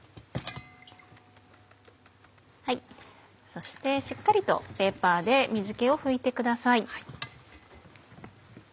そしてしっかりとペーパーで水気を拭いてください。